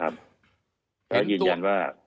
เห็นตัวแล้วยืนยันว่า